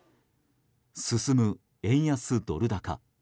進む円安ドル高。